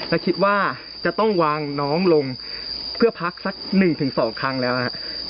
และคิดว่าจะต้องวางน้องลงเพื่อพักสัก๑๒ครั้งแล้วนะครับ